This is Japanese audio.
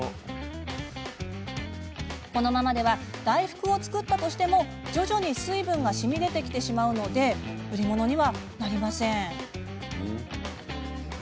このままでは大福を作ったとしても徐々に水分がしみ出てきてしまうので売り物にはなりません。